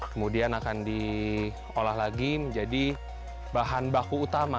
kemudian akan diolah lagi menjadi bahan baku utama